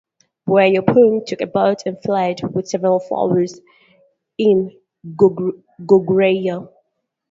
Buyeo Pung took a boat and fled with several followers to Goguryeo.